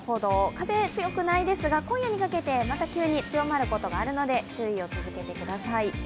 風、強くないですが、今夜にかけてまた広がるおそれがあるので注意を続けてください。